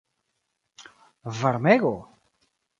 Varmego?